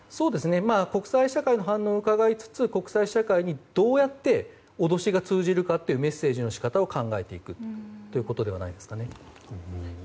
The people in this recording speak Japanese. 国際社会の反応をうかがいつつ国際社会にどうやって脅しが通じるかというメッセージのし方を考えていくということではないですかね。